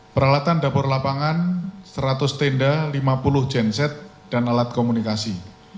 peralatan dapur lapangan seratus tenda lima puluh genset dan alat komunikasi